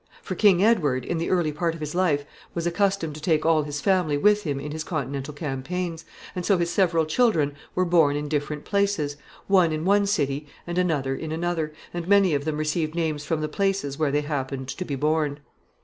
For King Edward, in the early part of his life, was accustomed to take all his family with him in his Continental campaigns, and so his several children were born in different places, one in one city and another in another, and many of them received names from the places where they happened to be born.